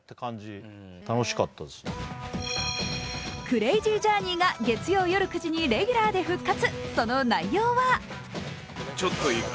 「クレイジージャーニー」が月曜夜９時にレギュラ−で復活。